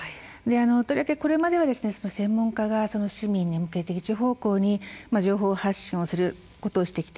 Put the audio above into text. とりわけこれまでは専門家が市民に向けて一方向に情報を発信することをしてきて。